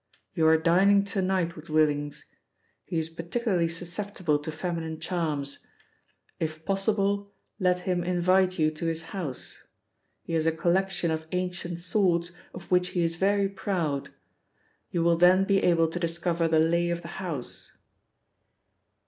You are dining to night with Willings. He is particularly susceptible to feminine charms. If possible, let him invite you to his house. He has a collection of ancient swords of which he is very proud. You will then be able to discover the lay of the house.'